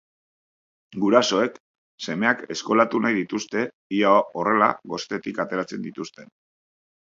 Gurasoek semeak eskolatu nahi dituzte, ia horrela gosetetik ateratzen dituzten.